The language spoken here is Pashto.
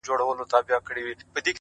ستا د سترگو جام مي د زړه ور مات كـړ;